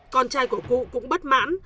con trai của cụ cũng bất mãn